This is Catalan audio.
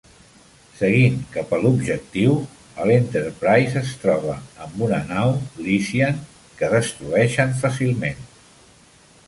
Seguint cap a l'objectiu, el "Enterprise" es troba amb una nau Lysian, que destrueixen fàcilment.